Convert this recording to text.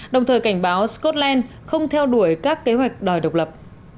đồng thời cảnh báo scotland không theo đuổi các kế hoạch đòi độc lập